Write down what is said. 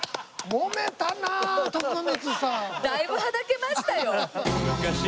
だいぶはだけましたよ。